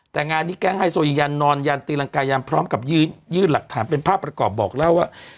แต่งานนี้แก๊งไฮโซอียันนอนยันตีรังกายันพร้อมกับยื่นหลักฐานเป็นภาพประกอบบอกเล่าว่า